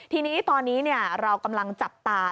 ทีนี้ตอนนี้เรากำลังจับตา